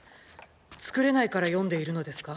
作れないから読んでいるのですか？